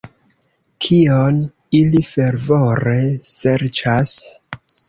Kion ili fervore serĉas?